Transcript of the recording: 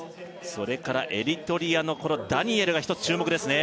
それからエリトリアのダニエルが一つ注目ですね